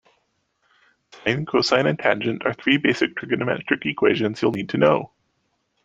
Sine, cosine and tangent are three basic trigonometric equations you'll need to know.